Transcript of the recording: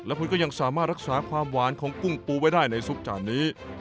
คุณก็ยังสามารถรักษาความหวานของกุ้งปูไว้ได้ในซุปจานนี้